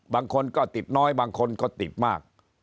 บางคนก็ติดน้อยบางคนก็ติดมาก